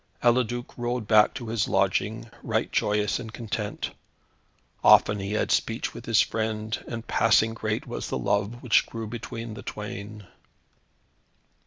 Eliduc rode back to his lodging, right joyous and content. Often he had speech with his friend, and passing great was the love which grew between the twain.